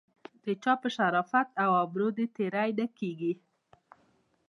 د چا په شرافت او ابرو دې تېری نه کیږي.